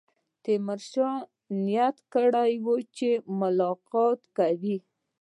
تیمورشاه نیت کړی وو چې ملاقات کوي.